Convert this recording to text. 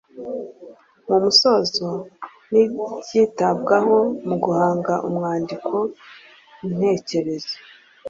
Mu musozo ni Ibyitabwaho mu guhanga umwandiko ntekerezo